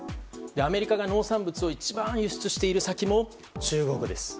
アメリカが農産物を一番輸出している先も中国です。